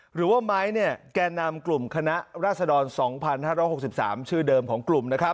หรือว่าไม้แก่นำกลุ่มคณะราษฎร๒๕๖๓ชื่อเดิมของกลุ่มนะครับ